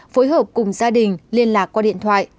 phối hợp cùng gia đình liên lạc qua điện thoại